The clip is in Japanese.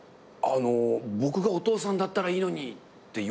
あなたがお父さんだったらいいのにってこと？